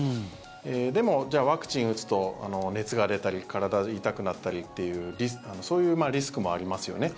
でも、ワクチンを打つと熱が出たり体痛くなったりというそういうリスクもありますよね。